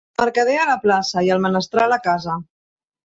El mercader a la plaça i el menestral a casa.